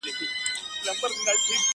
را ستنیږي به د وینو سېل وهلي-